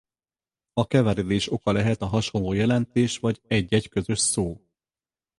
A keveredés oka lehet a hasonló jelentés vagy egy-egy közös szó.